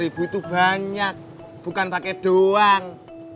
lima ratus ribu itu banyak bukan pake doang